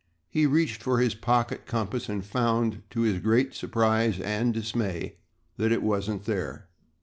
He reached for his pocket compass and found, to his great surprise and dismay, that it wasn't there.